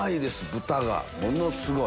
豚がものすごい。